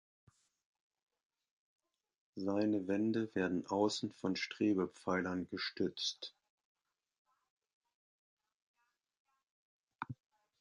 Seine Wände werden außen von Strebepfeilern gestützt.